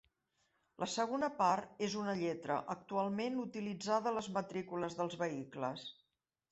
La segona part és una lletra, actualment utilitzada a les matrícules dels vehicles.